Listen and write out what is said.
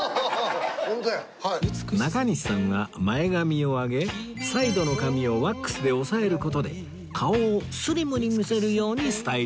中西さんは前髪を上げサイドの髪をワックスで押さえる事で顔をスリムに見せるようにスタイリング